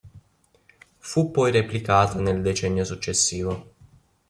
Fu poi replicata nel decennio successivo.